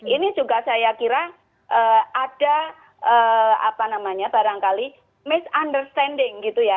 ini juga saya kira ada misunderstanding gitu ya